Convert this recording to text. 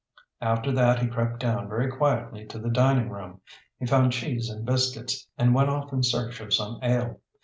After that he crept down very quietly to the dining room. He found cheese and biscuits, and went off in search of some ale.